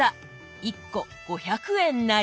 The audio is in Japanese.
１個５００円なり！